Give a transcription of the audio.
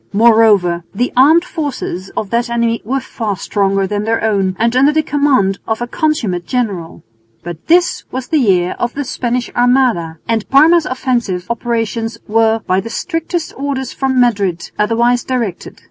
Moreover the armed forces of that enemy were far stronger than their own and under the command of a consummate general. But this was the year of the Spanish Armada, and Parma's offensive operations were, by the strictest orders from Madrid, otherwise directed.